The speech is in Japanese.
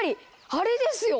あれですよ！